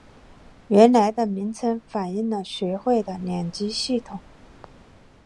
原来的名称反应了学会的两级系统。